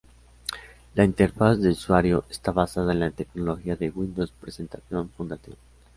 La interfaz de usuario está basada en la tecnología de Windows Presentation Foundation.